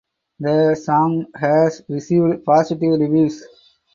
The song has received positive reviews.